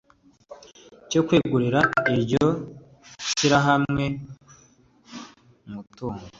cyo kwegurira iryo shyirahamwe umutungo